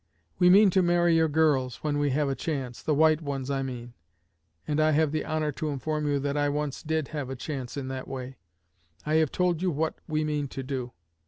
We mean to marry your girls, when we have a chance the white ones, I mean and I have the honor to inform you that I once did have a chance in that way. I have told you what we mean to do.